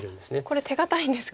これ手堅いんですか。